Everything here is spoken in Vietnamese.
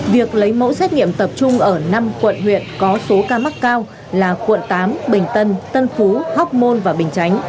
việc lấy mẫu xét nghiệm tập trung ở năm quận huyện có số ca mắc cao là quận tám bình tân tân phú hóc môn và bình chánh